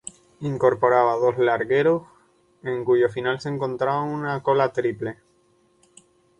Incorporaba dos largueros en cuyo final se encontraba una cola triple.